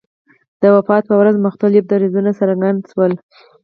د وفات په ورځ مختلف دریځونه څرګند شول.